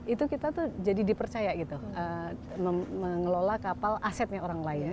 itu kita tuh jadi dipercaya gitu mengelola kapal asetnya orang lain